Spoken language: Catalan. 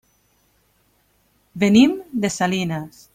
Venim de Salinas.